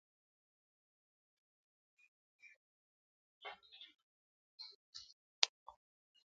ọbụladị dịka o kelere Chineke maka ịzọpụta ya.